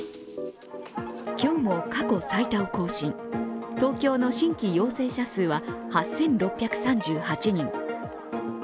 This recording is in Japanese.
今日も過去最多を更新、東京の新規陽性者数は８６３８人。